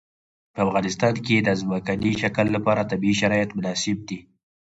په افغانستان کې د ځمکنی شکل لپاره طبیعي شرایط مناسب دي.